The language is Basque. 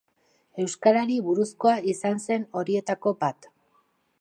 Euskarari buruzkoa izan zen horietako bat.